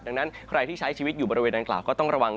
ดังนั้นใครที่ใช้ชีวิตอยู่บริเวณดังกล่าวก็ต้องระวัง